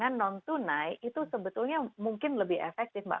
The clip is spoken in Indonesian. kalau di brunei itu sebetulnya mungkin lebih efektif mbak